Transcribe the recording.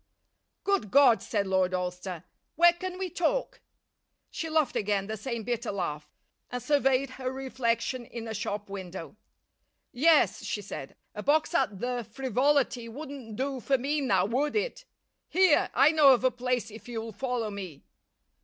"Good God!" said Lord Alcester. "Where can we talk?" She laughed again, the same bitter laugh, and surveyed her reflection in a shop window. "Yes," she said, "a box at the Frivolity wouldn't do for me now, would it? Here, I know of a place, if you'll follow me."